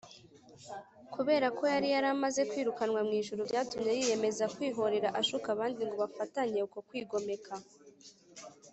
. Kubera ko yari yaramaze kwirukanwa mw’ijuru, byatumye yiyemeza kwihorera ashuka abandi ngo bafatanye uko kwigomeka